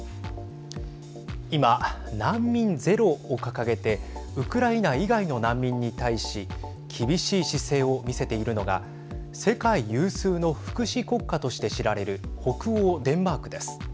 今、難民ゼロを掲げてウクライナ以外の難民に対し厳しい姿勢を見せているのが世界有数の福祉国家として知られる北欧デンマークです。